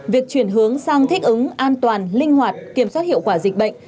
việc chuyển hướng sang thích ứng an toàn linh hoạt kiểm soát hiệu quả dịch bệnh